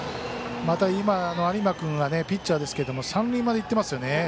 また、今の有馬君ピッチャーですけど三塁まで行っていますよね。